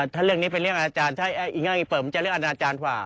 ถ้าเรื่องนี้เป็นเรื่องอาจารย์ถ้าอีกง่ายอีเปิบมันจะเรื่องอนาจารย์กว่า